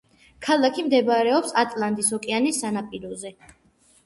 ქალაქი მდებარებს ატლანტის ოკეანის სანაპიროზე.